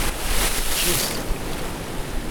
Tschüss!